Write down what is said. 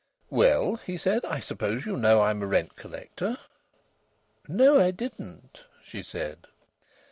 "Well," he said, "I suppose you know I'm a rent collector?" "No, I didn't," she said.